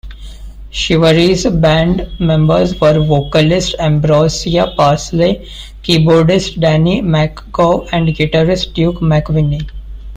Shivaree's band members were vocalist Ambrosia Parsley, keyboardist Danny McGough and guitarist Duke McVinnie.